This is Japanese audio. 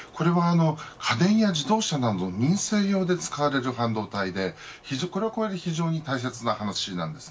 家電や自動車など民生用で使われる半導体でこれは非常に大切な話なんです。